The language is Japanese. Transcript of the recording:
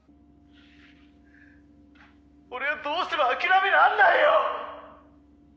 俺はどうしても諦めらんないよ！